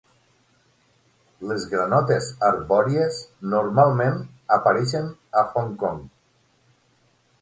Les granotes arbòries normalment apareixen a Hong Kong.